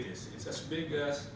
sebu besar seperti bali